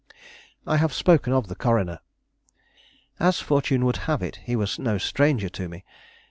I have spoken of the coroner. As fortune would have it, he was no stranger to me.